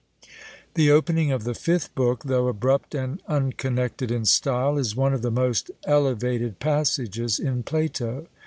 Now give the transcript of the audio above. The opening of the fifth book, though abrupt and unconnected in style, is one of the most elevated passages in Plato.